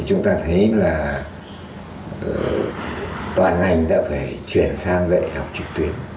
chúng ta thấy là toàn ngành đã phải chuyển sang dạy học trực tuyến